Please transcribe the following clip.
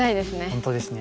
本当ですね。